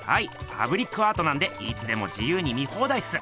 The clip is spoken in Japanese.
パブリックアートなんでいつでも自由に見放題っす！